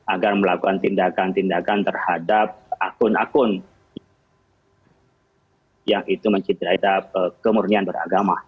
agar melakukan tindakan tindakan terhadap akun akun yang itu mencitrai kemurnian beragama